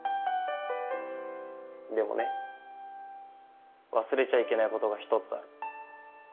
でもね忘れちゃいけないことが１つある。